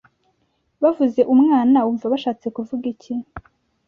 bavuze umwana wumva bashatse kuvuga iki